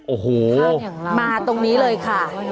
โอ้โหมาตรงนี้เลยค่ะ